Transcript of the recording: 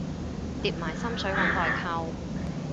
疊埋心水搵代購